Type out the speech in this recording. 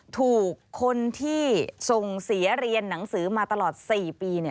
ถูกคนที่ส่งเสียเรียนหนังสือมาตลอด๔ปี